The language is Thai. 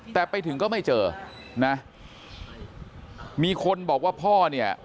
แต่ไปถึงก็ไม่เจอนะมีคนบอกว่าพ่อเนี่ย